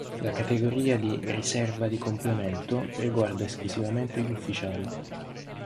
La categoria di "riserva di complemento" riguarda esclusivamente gli ufficiali.